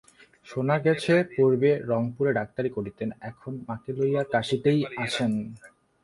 শোনা গেছে, পূর্বে রংপুরে ডাক্তারি করিতেন, এখন মাকে লইয়া কাশীতেই আছেন।